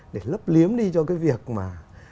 để lấp liếm đi cho cái việc mà